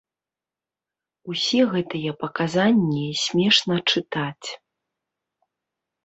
Усе гэтыя паказанні смешна чытаць.